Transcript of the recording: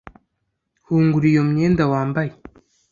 Hungura iyo myenda wambaye